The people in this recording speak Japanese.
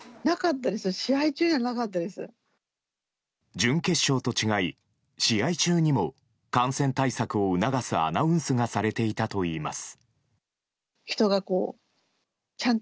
準決勝と違い試合中にも感染対策を促すアナウンスがされていたといいます。